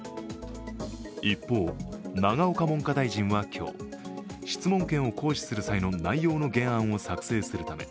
一方、永岡文科大臣は今日、質問権を行使する際の内容の原案を作成するため